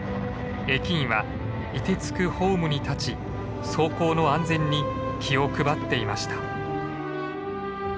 駅員はいてつくホームに立ち走行の安全に気を配っていました。